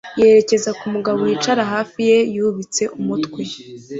yerekeza ku mugabo wicaye hafi ye yubitse umutwe